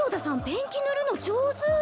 ペンキ塗るの上手！